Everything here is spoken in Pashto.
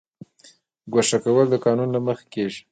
ګوښه کول د قانون له مخې کیږي